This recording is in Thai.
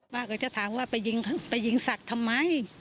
ป้าก็จะถามว่าไปยิงสักทำไม